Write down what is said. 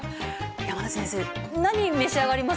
山根先生何召し上がります？